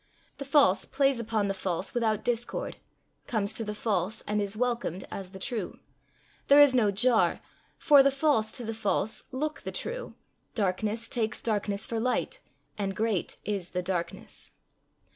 The false plays upon the false without discord; comes to the false, and is welcomed as the true; there is no jar, for the false to the false look the true; darkness takes darkness for light, and great is the darkness.